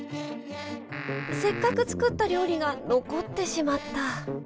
せっかく作った料理が残ってしまった。